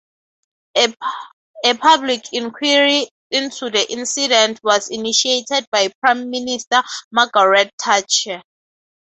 A public inquiry into the incident was initiated by Prime Minister Margaret Thatcher.